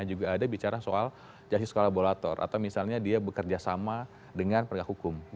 juga ada bicara soal jahat sekolah laborator atau misalnya dia bekerja sama dengan pergak hukum